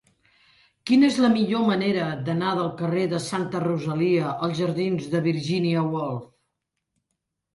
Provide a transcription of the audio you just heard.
Quina és la millor manera d'anar del carrer de Santa Rosalia als jardins de Virginia Woolf?